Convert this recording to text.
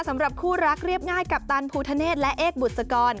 สำหรับคู่รักเรียบง่ายกัปตันภูทะเนธและเอกบุษกร